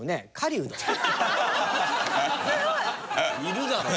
いるだろ。